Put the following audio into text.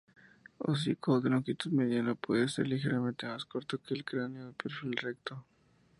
Hocico: De longitud mediana, puede ser ligeramente más corto que el cráneo, perfil recto.